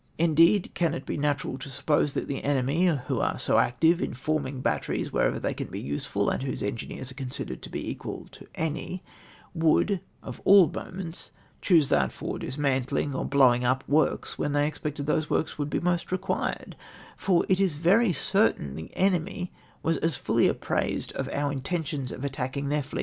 Indeed, can it be natural to suppose that the enemy, who are so active in forming batteries wherever they can be useful, and whose engineers are considered to be equal to any, would, of all moments, choose that for dismantling or blowing up works when they expected those works would be most required ; for it is very certain the enemy was as fully apprised of our intentions of attaching their fleet as myself!!!